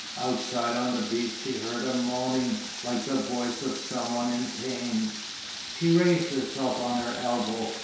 Outside on the beach she heard a moaning like the voice of someone in pain. She raised herself on her elbow.